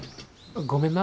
ごめんな。